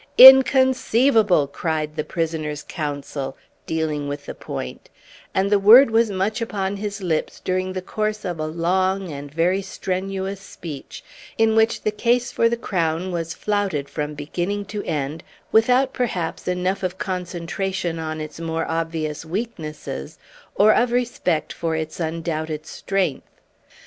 "Inconceivable!" cried the prisoner's counsel, dealing with the point; and the word was much upon his lips during the course of a long and very strenuous speech, in which the case for the Crown was flouted from beginning to end, without, perhaps, enough of concentration on its more obvious weaknesses, or of respect for its undoubted strength.